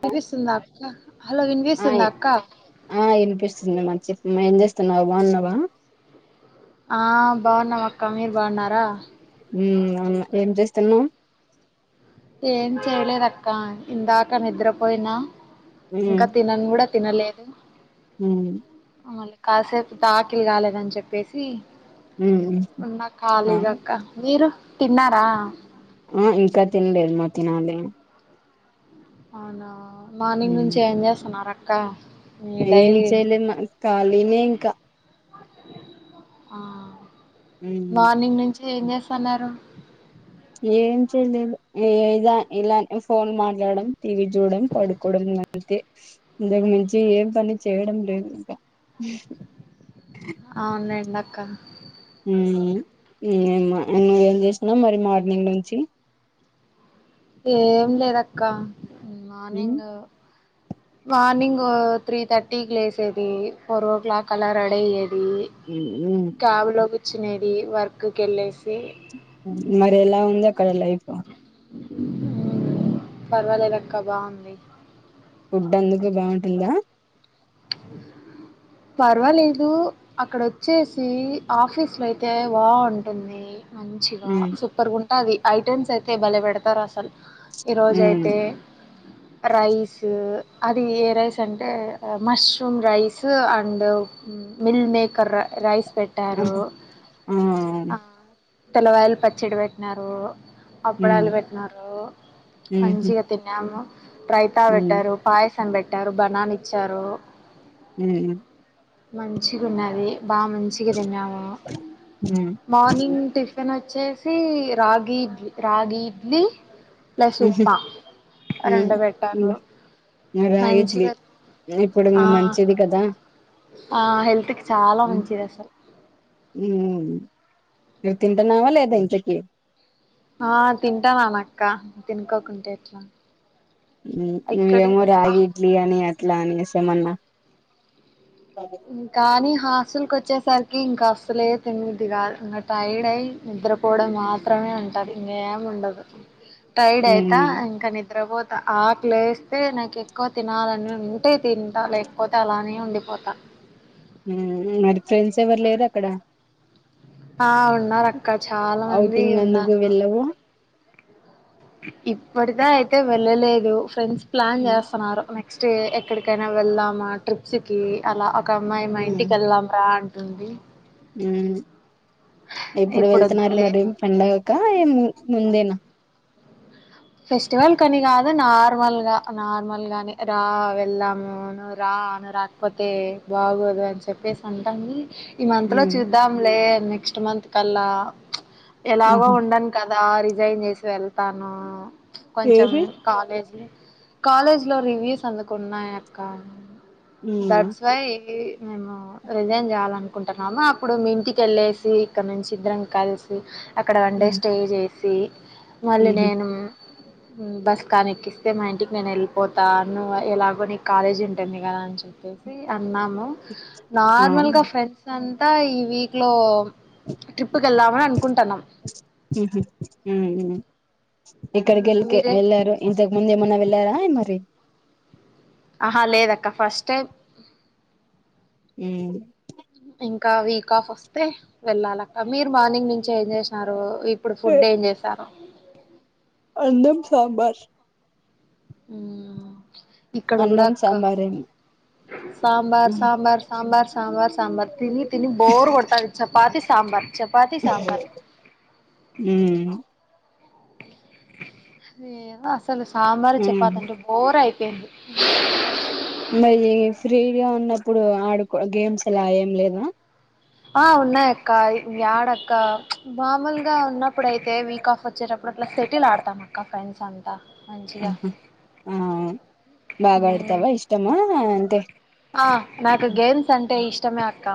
వినిపిస్తుందా అక్కా హలో వినిపిస్తుందా అక్కా చిన్నన్నా చెప్పు ఏం చేస్తున్నావు బాగున్నావా ఆ బాగున్నామక్క మీరు బాగున్నారా మ్ అవున ఏం చేస్తున్నావ్ ఏం చేయలేదు అక్క ఇందాక నిద్రపోయినా ఇంకా తినన్ కూడా తినలేదు మ్ మళీ కాసేపు తాకిలు కాలేదని చెప్పేసి ఉంద ఆ కాలిగా అక్క మీరు తిన్నారా ఆ ఇంకా తినలేదు మా తినాలి అవునా మార్నింగ్ ఉమ్ నుంచి ఏంచేస్తున్నారు క్క ఏం చేయలే మా ఖాళీనే ఇంకా ఆ ఉమ్ మార్నింగ్ నుంచి ఏంచేస్తున్నారు ఏం చేయలేదు ఇద ఇలా ఫోన్ మాట్లాడం టీవీ చూడడం పడుకోవడం అంతే ఇంతకు మించి ఏం పని చేయడం లేదు ఇంకా అవున్ లేండి అక్క మ్ ఇంకేం మా ఏం చేసివవ్ మరి మార్నింగ్ నుంచి ఏం లేదక్క ఉమ్ మార్నింగు మార్నింగ్ త్రీ థర్టీకి లేసేది ఫోర్ ఓ క్లాక్ అలా రెడీ అయ్యేది మ్ వచ్చినది వర్క్ కి వెళ్ళేసి చే మరి ఎలా ఉంది అక్కడ లైఫ్ పర్వాలేదక్క బాగుంది ఫుడ్ అందుకు బాగుంటుందా పర్వాలేదు అక్కడ వచ్చేసి ఆఫీస్ లో అయితే బా ఉంటుంది మంచిగా ఉమ్ సూపర్ గుంటం అవి ఐటెమ్స్ అయితే భలే పెడతారుా అసలు ఈరోజు ఉమ్ అయితే రైస్ అది ఏ రైస్ అంటే mushroom rice and meal maker రై రైస్ పెట్టారు ఆ ఆ ఆ తెల్లవాయలు పచ్చిడి వెట్టినారు ఉమ్ అప్పాడాలు వెట్టినారు ఉహు మంచిగా తిన్నాము రైతా ఉమ్ వెట్టారు పాయస్ తం వెట్టారు బననా ఇచ్చారు ని మంచి గున్నది బా మంచిగా తిన్నాము ఉమ్ మార్నింగ్ టిఫ్ తను వచ్చేసి రాగి ఇడ్లీ రాగి ఇడ్లీ ప్లస్ ఉహు ఉప్పా ఉమ్ రెండు వెట్టను ఇంగ మంచిగా ఈమె ఆ మంచిది కదా ఆ హెల్త్క్ చాలా ఉమ్ మంచిది అసల్ మీరు తింటున్నావా లేదా ఇంతకి ఆ తింటాను అనక్క తినుకోకుంటే ఎట్లా ఉ ఇక్కడే నువ్వేమో రాగి ఇడ్లీ అని అట్లా అనేసి ఏమన్నా ఉమ్ కానీ ఆస్తులుకు వచ్చేసరికి ఇంకా అసలే తినబుద్ధి గాదు ఇంకా టైడ్ అయ్య నిద్రపోవడం మాత్రమే ఉంటది ఇంగ ఏం ఉండదు టైడ్ అయితా ఉమ్ ఇంకా నిద్ర వోత్ ఆకులు లేస్తే నాకు ఎక్కువ తినాలని నును తింటే తింటా లేకపోతే అలానే నేను వండిపోతా ఉహు మరి ఫ్రెండ్స్ ఎవరు లేరు అక్కడ ఆ ఉన్నారు అక్క చాలా మంది ఔటింగ్ అందుకు ఉన్నారు వెళ్ళవు ఇప్పటిద అయితే వెళ్ళలేదు ఫ్రెండ్స్ ప్లాన్ ఉమ్ చేస్తున్నారు మేక్ నెక్స్ట్ ఎక్కడికైనా వెళదామా ట్రిప్స్కి అలా ఒక అమ్మాయి మా ఇంటికి వెళ్ళాం రా ఆన్ దుంది ఉ ఎప్పుడు ఇప్పుడు వెళ్తున్నారు వద్దులే మరి పండగక ఏము ముందేనా ఫెస్టివల్ కాని కాదు నార్మల్ గా నార్మల్ గానే రా వెళ్దాము నువ్ రా నువ్ రా రాకపోతే బాగోదు అని చెప్పేసి అంటాంది ఈ మంత్లో ఉమ్ చూద్దాంలే నెక్స్ట్ మంత్ కల్లా ఎలాగో ఆహా ఉండను క ఆ రిజైన్ చేసి వెళ్తాను కొంచం ఏవి కాలేజీ కాలేజ్లో రివ్యూస్ అందికున్నాయి అక్క ఉమ్ దట్స్ వై మేము రిజైన్ చేయాలనుకుంటున్నాము అప్పుడు మీ ఇంటికెళ్ళేసి ఇక్కడ్ నుంచి ఇద్దరం కల్సి అక్కడ వన్ డే ఉహు స్టే చే సి మళ్ళీ నేను బస్ కానెక్కిస్తే మా ఇంటికి నేన్ ఎళ్ళిపోతాను. ఎలాగో నీక్ కాలేజ్ ఉంటుంది కదా అని చెప్పేసి అన్నాము ఆ నార్మల్గా ఫ్రెండ్స్ అం అక్కా ఈ వీక్లో ట్రిప్పుకి వెళ్ళమా అని అనుకుంటానం ఎక్కడి కెల్ ఎల్లారు ఇంతక్ ముంద్ ఏమన్నా వెళ్లారా బాయ్ మరి ఆహా లేదక్క ఫస్ట్ టైం మ్ ఇంకా వీక్ ఆఫ్ వస్తే వెళ్ళాలక్క మీరు మార్నింగ్ నుంచి ఏం చేసినారు ఇప్పుడు ఫుడ్ ఏం చేశారు. అన్నం, సాంబార్ హ్మ్ ఇక్కడ గుడా అన్నం అక్క సాంబారేమో సాంబార్ ఉమ్ సాంబార్ సాంబార్ సాంబార్ సాంబార్ తిని తిని బోర్ కొడ్తది చపాతి సాంబార్ చపాతి సాంబార్ ఏ బస్ అసలు సాంబార్ ఉమ్ చపాతంటే బోర్ అయి ఓకే మరి ఫ్రీగా ఉన్నప్పుడు ఆడుకో గేమ్స్ అలా ఏం లేవా ఆ ఉన్నాయి అక్క యాడ ఒక మామూల్గా ఉన్నప్పుడైతే వీక్ ఆఫ్ వచ్చేటప్పుడు అట్లా షటిల్ ఆడతాం అక్క ఫ్రెండ్స్ అంతా మంచిగా ఆహ ఆ బాగా ఆడతావ ఇష్టమా టే ఆ నాకు గేమ్స్ అంటే ఇష్ ఇష్టమే అక్కా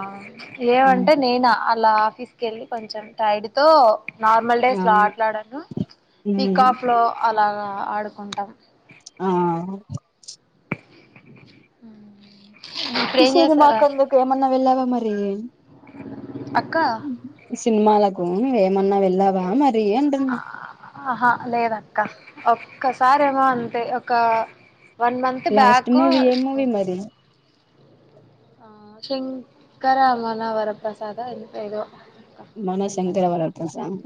ఏమంటే ఉమ్ నేనా అలా తీసుకెళ్ళి కొంచెం టైడ్ తో నార్మల్ ఆ డేస్ లో ఆట్లాడాను వీక్ ఉమ్ ఆఫ్ లో అలా ఆడుకుంటాం ఆ అ సరి మాక్కళ్ దకు ఏమన్నావ ఎలా మరి అక్క సినిమాలకు నువ ఏమన్నా వెళ్ళావా మరి ఆ అంటున్నా ఆహా లేద అక్క ఒక్కసారేమో అంటే ఒక one month last back movie ఏ మూవీ మరి శంకరమనవర ప్ర్రసాద ద ఏదో మన శంకర వర ప్రసాద్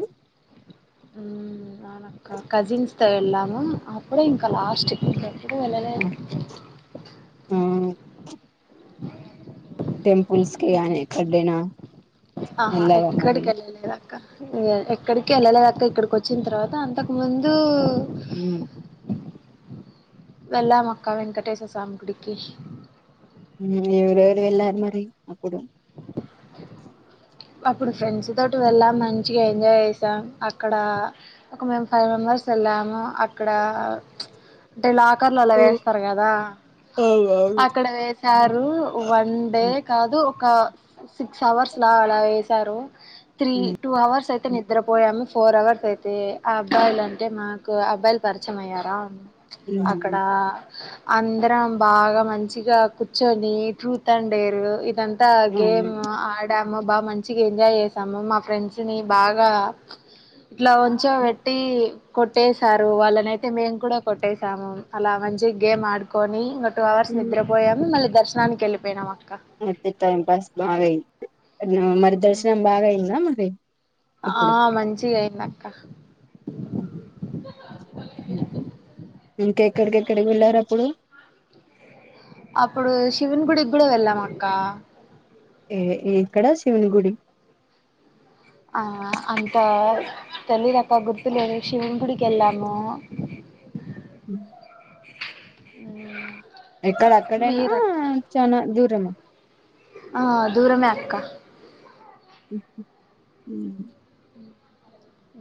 మ్మ్ నా అక్క కజిన్స్ తమ్ములు అప్పుడు ఇంకా లాస్ట్కి ఇ వెలనే ఆ ఆ టెపుల్స్ కే ఆనిక్కడనా ఆహా ఎక్కడికి వెళ్ళలేదు అక్క ఎక్కడికి వెళ్ళలేదక ఇక్కడికి వచ్చిన తర్వాత అంతకు ముందు మ్మ్ వెళ్ళమ అక్కా వెంకటేశసమి గుడికి ఇవరెవరు వెళ్ళారు మరి అప్పుడు అప్పుడు ఫ్రెండ్స్ తోటి వెళ్ళాము మంచిగా ఎంజాయ్ చేసాం అక్కడ ఒక మేము ఫైవ్ మెంబర్స్ వెళ్ళాము అక్కడ అంటే లాకర్ లో అలా వేస్తారు కదా అవునవును. అక్కడ వేసారు వన్ డే కాదు ఒక సిక్స్ హవర్స్ లా అలా వేసారు త్రీ టూ అవర్స్ అయి అ నిద్రపోయాము ఫోర్ అవర్స్ అయితే ఆ అబ్బాయిలు అంటే మా అబ్బాయిలు పరిచయం అయ్యారా అక్కడ అందరం బాగా మంచిగా కూర్చొని ట్రూత్ అండ్ డేర్ ఇదంతా అవును గేమ్ ఆడా మ్ బాగా మంచిగా ఎంజాయ్ చేసాము మా ఫ్రెండ్స్ ని బాగా ఇట్లా ఒంచో బెట్టి కొట్టేసారు వాళ్ళనైతే మేమ్ కూడా కొట్టేసాము అలా మంచిగ్ గేమాడుకొని ఇంగ. టూ అవర్స్ నిద్రపోయామ్ మళ్ళి. దర్శనానికెళ్ళిపోయినామ ఐతే టైమ్ పాస్ బాగైంది న్ మరి దర్శనం బాగైందామ్మ రె ఆ మంచిగైందక్ క్క ఇంకెక్కడికెక్కడికి వెళ్ళారప్పుడు అప్పుడు శివున్ గుడికి గూడ వెళ్ళామ క్క ఏ ఎ ఎక్కడా శివుని గుడి. ఆ అంత తల్లిదప్ప గుర్తులేదు శివుని గుడికెళ్ళాము. ఉమ్ ఉమ్ ఎక్కడక్కడేనా చానా దూర్ రమా ఆ దూరమే అక్క. ఉహూ ఉమ్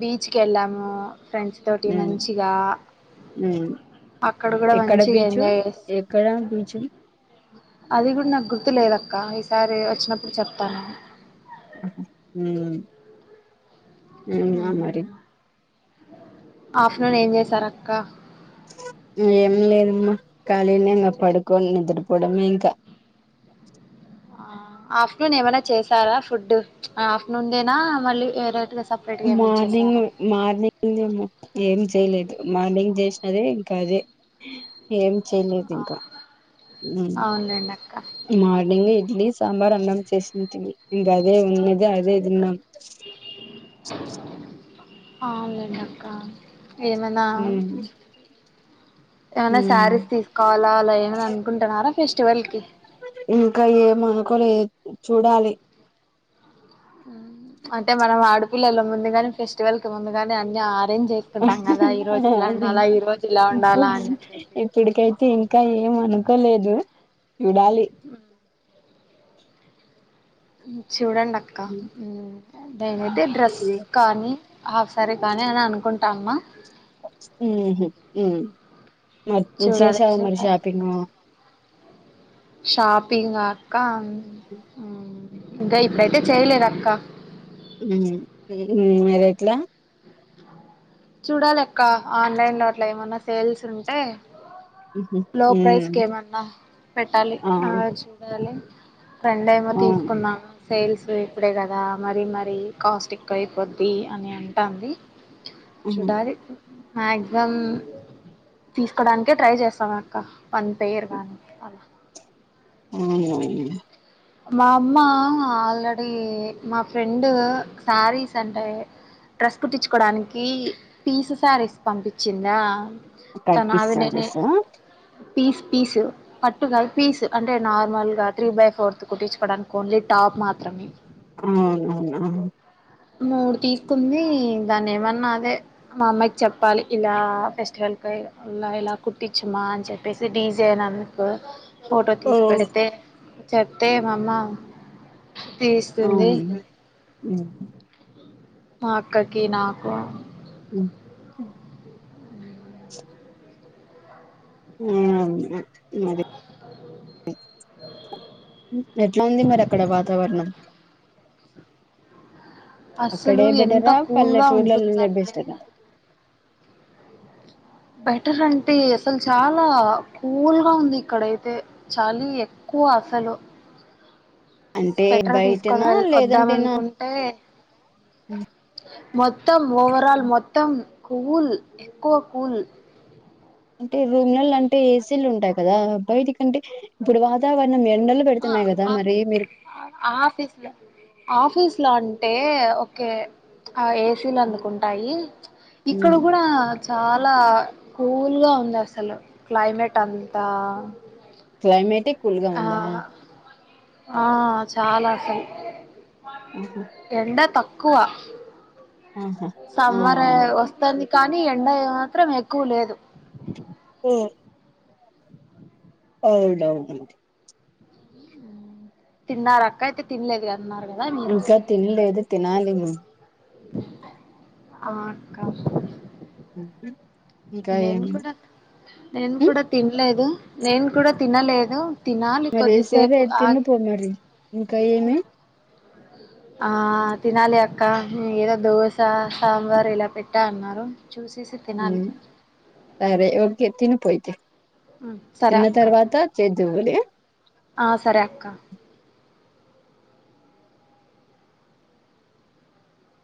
బీచ్ కెళ్ళాము ఫ్రెండ్స్ తోటి మంచిగా ఉమ్ అక్కడ గూడా ఎక్కడ బీచు మంచిగెంజాయ్ జేస్. ఎక్కడ బీచు అది గూడ్ నాక్ గుర్తు లేదక్క ఈసారి వచ్చినప్పుడు చెప్తాను. ఉహు ఉమ్ ఉమ్ ఆ మరి ఆఫ్నూనేమ్ జేసారక్క ఉమ్ ఏం లేదమ్మ ఖాళీనే ఇంగ పడుకొని నిద్ర పోడమే ఇంక అ ఆఫ్నూనేమైనా చేసారా ఫుడ్డు ఆఫ్నూన్ దేనా మళ్ళీ ఏరేటిగ. మార్నింగు మార్నింగ్ దేమో ఏం చేయలేదు మార్నింగ్ జే. అదే ఇంక అదే ఏం చేయ్లేదింకా ఉమ్ అవునులేండి అక్క డ్లి సాంబారన్నం చేసింటిమి ఇంగ అదే ఉన్నేది అదే దిన్నాం. చు ఔన్ లేండక్క ఏమనా ఉమ్ ఏమైనా ఉమ్ శారీస్ తీసుకోవాలా అలా ఏమని అనుకుంటున్నారా ఫెస్టివల్ కి ఇంకా ఏమనుకోలే చూడాలి అంటే మనం ఆడపిల్లలం ముందుగానే ఫెస్టివల్ కి ముందుగానే అన్ని ఆ ఇ ఈ రోజు ఇలా ఉండాలా అని చెప్పేసి ఇప్పుటికైతే ఇంకా ఏమ అనుకో కో లేదు చూడాలి అ చూడండి అక్క నేనైతే డ్రస్ కానీ ఆ సరే కాని అని అనుకుంటాన్ ఉహు ఉ మరి ఏం చూడాలి చేసావ్ మరి చూడాలి షాపింగ్ షాపింగ్ ఆ అక్క ఇంకా ఇప్పుడైతే చేయలేద అక్క ఉ ఉ మరి ఎట్లా చూడాలి అక్క ఆన్లైన్ లో అట్ల ఏమన్నా సేల్స్ ఉంటే ఉహు, లో ప్రైస్ ఉమ్ కి ఏమన్నా పెట్టాలి ఆ అవును చూడాలి. ట్రెండ్ ఏమో అవును తీసుకున్నాము సేల్స్ ఇప్పుడే కదా మరీ మరీ కాస్ట్ ఎక్కువ అయిపోద్ది అని అంటాన్ది ఉమ్ చూడా మాక్సిమం తీసుకోడానికే ట్రై చేస్తాం అక్క వన్ పేర్ గానీ అలా అవునవును మా అమ్మ ఆల్రెడీ మా ఫ్రెండ్ శారీస్ అంటే డ్రెస్ కుట్టించుకోడానికి పీస్ శారీస్ పంపించిందా. తను అవి నేను కనిపిస్తారుసా పీస్ పీసు పట్టుగాదు పీస్ అంటే నార్మల్ గా త్రీ బై ఫోర్త్ కుట్టించుకోవడానికి ఓన్లీ టాప్ మాత్రమే ఆ అవునవునా మూడు తీసుకుంది. దాన్ని ఏమన్నా అదే మా అమ్మాయికి చెప్పాలి. ఇలా ఫెస్టివల్ కలా ఇలా కుట్టించమా అని చెప్పేసి డీజైన్ అందుకు ఫోటో ఓ తీసి పెడితే చెప్తే మా అమ్మ తీస్తుంది అవును ఉ మా అక్కకి నాకు ఉ ఆ మరి ఎట్ల ఉంది మరి అక్కడ వాతావరణం అస్సలు అక్కడే ఎంత బెటరా కూల్గా పల్లెటూర్లలో నే ఉంటుందంటే బెస్తటా బెటర్ అంటే అసలు చాలా కూల్గా ఉంది ఇక్కడైతే చలీ ఎక్కువ అసలు అంటే స్వెటర్ తీసుకొని బయటనా వెళ్ వద్దాం లేదంటేనా అనుకుంటే మొత్తం ఓవరాల్ మొత్తం, కూల్ ఎక్కువ కూల్. అంటే రూమ్లలో అంటే ఏసీలు ఉంటాయి కదా, బయటి కంటే ఇప్పుడు వాతావరణం ఎట్ ఆ ఆఫ్ ఆ ఆఫీస్ ఆఫీస్ ఎట్లా అంటే, ఓకే ఆ ఏసీలు అందుకుంటాయి, ఇక్కడ ఉమ్, కూడా చాలా కూల్గా ఉందసలు, క్లైమేట్ అంతా క్లైమేటిక్ కూల్ గా ఆ ఉందా ఆ చాలా అసలు ఆహా ఎండ తక్ కువ ఆహా ఆ సమ్మరే వస్తాంది. కానీ ఎండా మాత్రం ఎక్కువ లేదు. పోఓ అవునువునండి తిన్నారాక్క అయితే తినలేదు గా ఇంకా తినలేదు తినాలి. ఉమ్ ఆ అక్కా ఇంకా నేన్ ఏం కూడ నేను ఉమ్, కూడా తిన్లేదు నేను కూడా తినలేదు. తినాలి మరి ఏసరే కొద్దిసేపు ఆగి తినుపో మరి, ఇంకా ఏమి? ఆ తినాలి అక్క, ఏదో దోశ సాంబార్ ఇలా పెట్టా అన్నారు. చూసేసి తినాలి సరే ఓకే తనుపో అయితే, ఉమ్, సరే తిన్న అక్క తర్వాత చేద్దువులే. ఆ సరే అక్క.